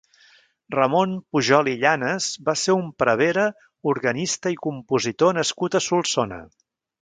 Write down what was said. Ramon Pujol i Llanes va ser un prevere, organista i compositor nascut a Solsona.